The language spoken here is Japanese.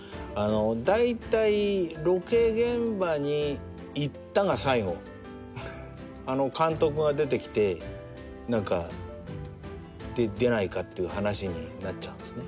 だいたいロケ現場に行ったが最後監督が出てきて「出ないか？」っていう話になっちゃうんすね。